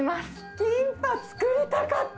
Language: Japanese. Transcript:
キンパ、作りたかった。